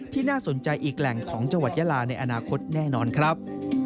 น่าสนใจอีกแหล่งของจังหวัดยาลาในอนาคตแน่นอนครับ